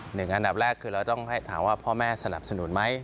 อันดับแรกคือเราต้องให้ถามว่าพ่อแม่สนับสนุนไหม